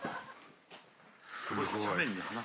すごい。